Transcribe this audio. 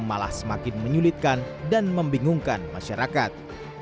malah semakin menyulitkan dan membingungkan masyarakat